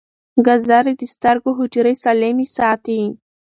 ګازرې د سترګو حجرې سالمې ساتي.